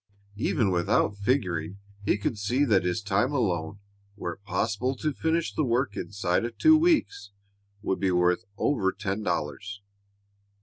Even without figuring, he could see that his time alone, were it possible to finish the work inside of two weeks, would be worth over ten dollars.